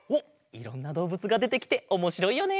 いろんなどうぶつがでてきておもしろいよね！